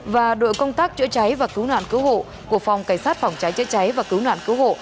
và đội công tác chữa cháy và cứu nạn cứu hộ của phòng cảnh sát phòng cháy chữa cháy và cứu nạn cứu hộ